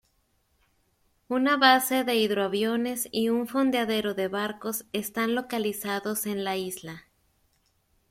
Una base de hidroaviones y un fondeadero de barcos están localizados en la isla.